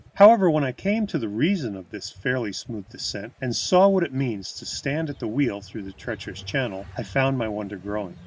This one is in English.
However, when I came to the reason of this fairly smooth descent, and saw what it means to stand at the wheel through that treacherous channel, I found my wonder growing.